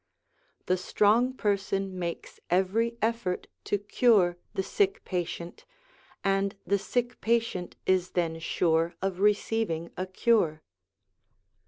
The strong person makes every effort to cure the sick patient, and the sick patient is then sure of receiving a cure.